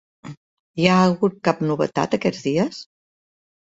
Hi ha hagut cap novetat, aquests dies?